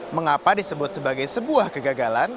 mengapa disebut sebagai sebuah kegagalan